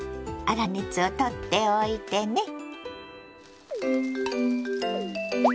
粗熱を取っておいてね。